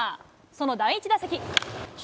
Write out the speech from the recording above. その第１打席。